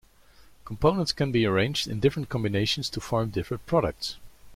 Components can be arranged in different combinations to form different products.